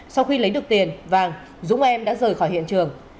sau khi lấy được tiền vàng dũng em đã rời khỏi hiện trường